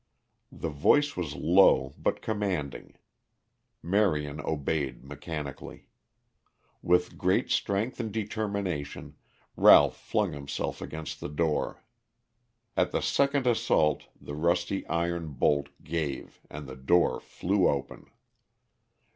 The voice was low but commanding. Marion obeyed mechanically. With great strength and determination Ralph flung himself against the door. At the second assault the rusty iron bolt gave and the door flew open.